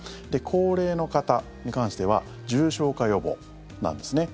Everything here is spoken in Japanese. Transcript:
高齢の方に関しては重症化予防なんですね。